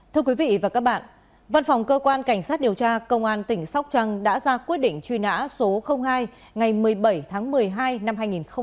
thưa quý vị và các bạn văn phòng cơ quan cảnh sát điều tra công an tỉnh sóc trăng đã ra quyết định truy nã số hai ngày một mươi bảy tháng một mươi hai năm hai nghìn một mươi ba